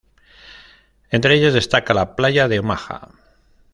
Entre ellas destaca la playa de Omaha.